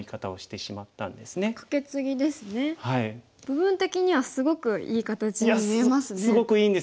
部分的にはすごくいい形に見えますね。